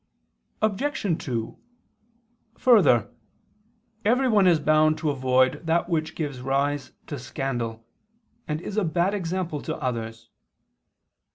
Obj. 2: Further, everyone is bound to avoid that which gives rise to scandal, and is a bad example to others.